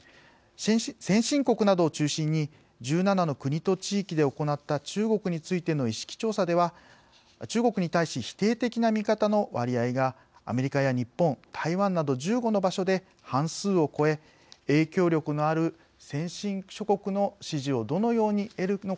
先進国などを中心に１７の国と地域で行った中国についての意識調査では中国に対し否定的な見方の割合がアメリカや日本台湾など１５の場所で半数を超え影響力のある先進諸国の支持をどのように得るのかが課題です。